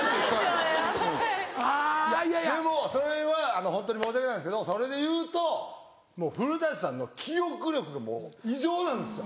でもそれはホントに申し訳ないですけどそれでいうともう古さんの記憶力が異常なんですよ。